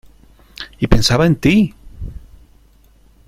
y pensaba en ti.